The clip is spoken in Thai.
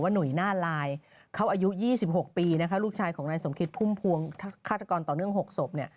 หนุ่ยหน้าลายเขาอายุ๒๖ปีนะคะลูกชายของนายสมคิดพุ่มพวงฆาตกรต่อเนื่อง๖ศพเนี่ย